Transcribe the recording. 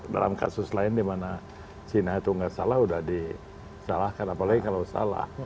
dalam kasus lain dimana cina itu tidak salah sudah disalahkan apalagi kalau salah